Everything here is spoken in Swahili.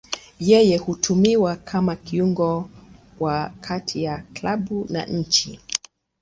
Yeye hutumiwa kama kiungo wa kati ya klabu na nchi.